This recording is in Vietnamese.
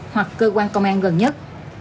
hoặc cơ quan công an gần nhất